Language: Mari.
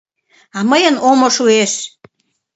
— А мыйын омо шуэш.